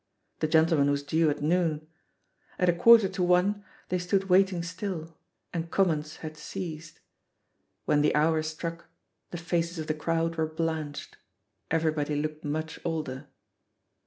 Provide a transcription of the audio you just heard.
The gentleman was due at noon. At a quarter to one they stood waiting still, and comments had ceased. When the hour struck, the faces of the crowd were blanched; everybody looked much older.